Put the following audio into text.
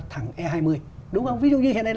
thẳng e hai mươi đúng không ví dụ như hiện nay